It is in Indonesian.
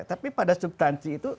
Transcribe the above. tapi pada subtansi itu